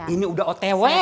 ini udah otw